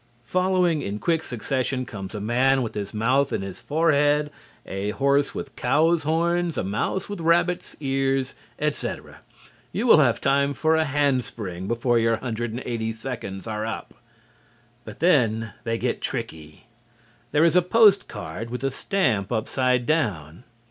Following in quick succession come a man with his mouth in his forehead, a horse with cow's horns, a mouse with rabbit's ears, etc. You will have time for a handspring before your 180 seconds are up. But then they get tricky. There is a post card with a stamp upside down.